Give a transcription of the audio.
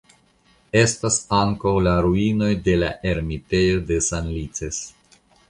Estas ankaŭ la ruinoj de la ermitejo de Sanlices.